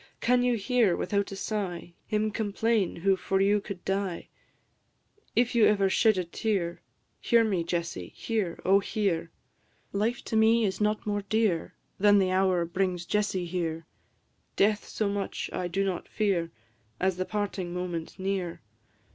Can you hear, without a sigh, Him complain who for you could die? If you ever shed a tear, Hear me, Jessie, hear, O hear! Life to me is not more dear Than the hour brings Jessie here; Death so much I do not fear As the parting moment near.